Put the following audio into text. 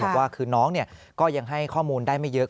บอกว่าคือน้องก็ยังให้ข้อมูลได้ไม่เยอะ